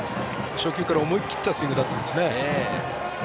初球から思い切ったスイングでしたね。